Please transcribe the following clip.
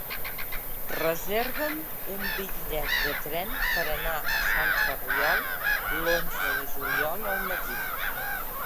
Reserva'm un bitllet de tren per anar a Sant Ferriol l'onze de juliol al matí.